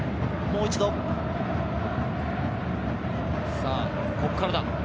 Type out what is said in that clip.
さぁ、ここからだ！